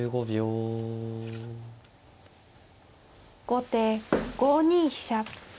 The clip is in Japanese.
後手５二飛車。